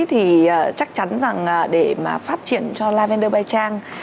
thì chắc chắn rằng để mà phát triển cho lavender by trang